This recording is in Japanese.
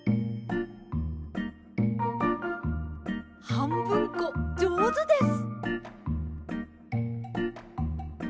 はんぶんこじょうずです！